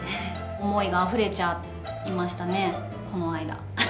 思いがあふれちゃいましたね、この間。